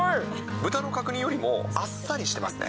豚の角煮よりもあっさりしてますね。